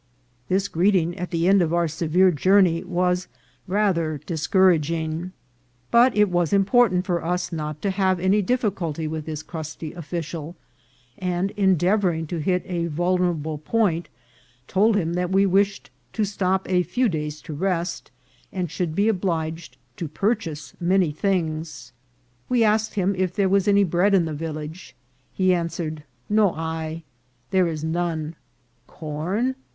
This greeting at the end of our severe journey was rather discouraging, but it was important for us not to A CRABBED OFFICIAL. 281 have any difficulty with this crusty official ; and, endeav ouring to hit a vulnerable point, told him that we wished to stop a few days to rest, and should be obliged to purchase many things. We asked him if there was any bread in the village ; he answered, " no hay," " there is none ;" corn